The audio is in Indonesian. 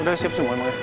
udah siap semua emangnya